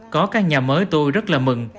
có căn nhà mới tôi rất là mừng